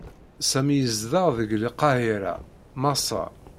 Sami yezdeɣ deg Lqahiṛa, Maṣer.